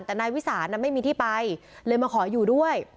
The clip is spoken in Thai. แต่นายวิสานไม่มีที่ไปเลยมาขออยู่ด้วย